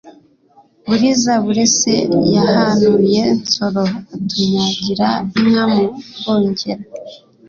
Buriza burese yahanuye Nsoro, Atunyagira inka mu Bwongera,